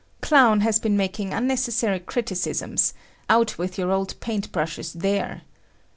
Clown has been making unnecessary criticisms; out with your old paint brushes there!